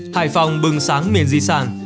hải phòng bừng sáng miền di sản